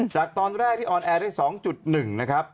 จากตอนแรกที่ออนแอร์ได้๒๑นะครับ